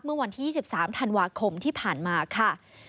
เมื่อวันที่๒๓ธันวาคมที่ผ่านมาค่ะ